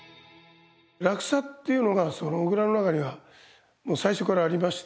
落差っていうのが小倉の中にはもう最初からありまして。